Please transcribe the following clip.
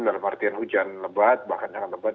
dalam artian hujan lebat bahkan sangat lebat